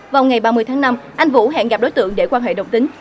vào ngày ba mươi tháng năm anh vũ hẹn gặp đối tượng để quan hệ đồng tính